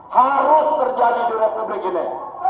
harus terjadi di republik ini